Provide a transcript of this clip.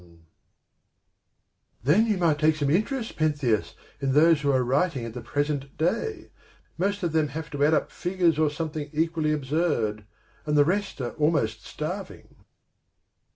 PENTHEUS 45 " Then you might take some interest, Pentheus, in those who are writing at the present day. Most of them have to add up figures or something equally absurd ; and the rest are almost starving."